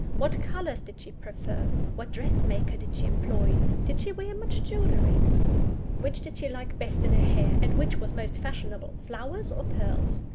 What colours did she prefer? What dressmaker did she employ? Did she wear much jewellery? Which did she like best in her hair, and which were most fashionable, flowers or pearls?